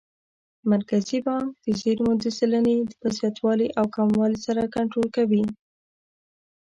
مرکزي بانک د زېرمو د سلنې په زیاتوالي او کموالي سره کنټرول کوي.